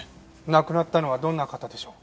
亡くなったのはどんな方でしょう？